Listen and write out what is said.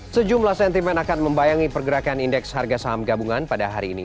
sejumlah sentimen akan membayangi pergerakan indeks harga saham gabungan pada hari ini